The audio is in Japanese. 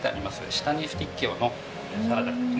下にスティッキオのサラダですね。